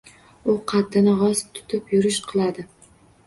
U qaddini gʻoz tutib yurish qiladi.